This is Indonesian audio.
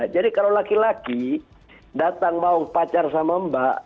jadi kalau laki laki datang mau pacar sama mbak